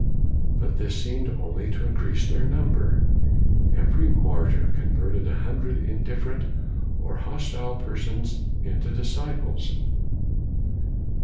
But this seemed only to increase their number. Every martyr converted a hundred indif ferent or hostile persons into disciples.